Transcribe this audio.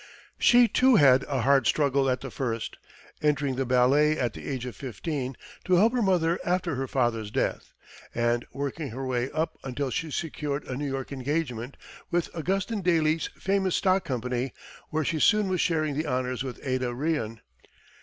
She, too, had a hard struggle at the first entering the ballet at the age of fifteen to help her mother after her father's death, and working her way up until she secured a New York engagement with Augustin Daly's famous stock company, where she soon was sharing the honors with Ada Rehan.